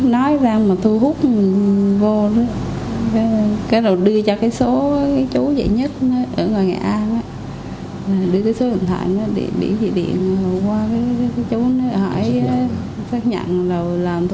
nói ra mà thu hút mình vô